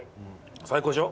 最高でしょ？